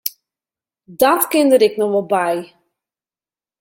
Dat kin der ek noch wol by.